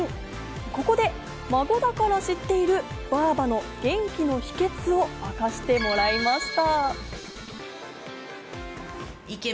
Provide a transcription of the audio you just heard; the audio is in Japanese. ここで孫だから知っている、ばあばの元気の秘訣を明かしてもらいました。